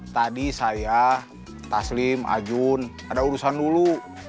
tadi saya taslim ajun ada urusan dulu